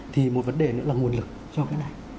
thì một vấn đề nữa là nguồn lực cho cái này